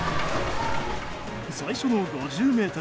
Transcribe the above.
最初の５０ｍ。